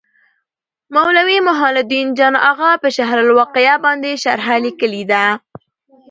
مولوي محي الدین جان اغا په شرح الوقایه باندي شرحه لیکلي ده.